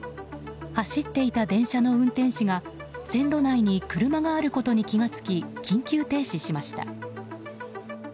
走っていた電車の運転士が線路内に車があることに気が付き緊急停止しました。